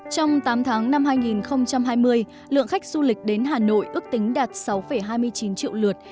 trong tám tháng năm hai nghìn hai mươi lượng khách du lịch đến hà nội ước tính đạt sáu hai mươi chín triệu lượt